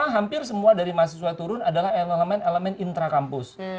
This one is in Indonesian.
hampir semua dari mahasiswa turun adalah elemen elemen intrakampus